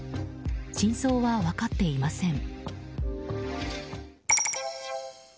真相は分かっていません。